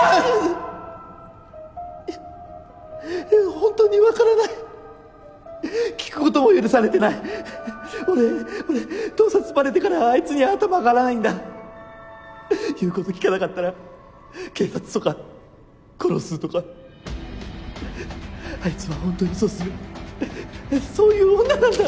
本当に分からない聞くことも許されてない俺俺盗撮ばれてからあいつに頭上がらないんだ言うこと聞かなかったら警察とか殺すとかあいつは本当にそうするそういう女なんだ。